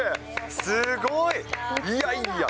すごい！いやいや。